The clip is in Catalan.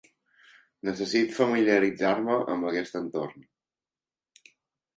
Necessito familiaritzar-me amb aquest entorn.